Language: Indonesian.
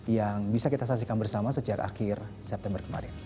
yang bisa kita saksikan bersama sejak akhir september kemarin